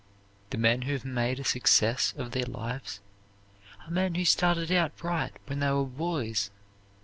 The men who have made a success of their lives are men who started out right when they were boys.